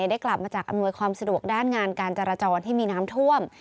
ได้กลับมาจากอำนวยความสะดวกด้านงานการจราจรที่มีน้ำท่วม